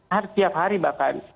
setiap hari bahkan